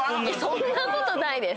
そんなことないです。